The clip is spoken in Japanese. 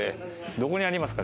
どこにありますか？